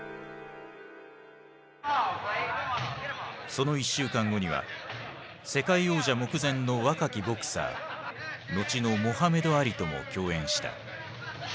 その１週間後には世界王者目前の若きボクサー後のモハメド・アリとも共演した。